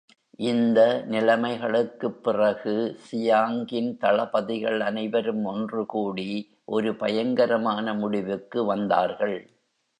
இந்த நிலமைகளுக்குப் பிறகு சியாங்கின் தளபதிகள் அனைவரும் ஒன்றுகூடி ஒரு பயங்கரமான முடிவுக்கு வந்தார்கள்.